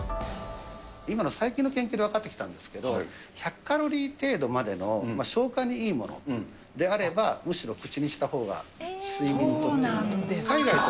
今の最近の研究で分かってきたんですけれども、１００カロリー程度までの消化にいいものであれば、むしろ口にしたほうが睡眠にとってはいいと。